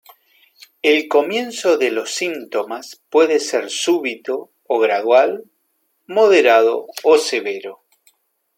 El comienzo de los síntomas puede ser súbito o gradual; moderado o severo.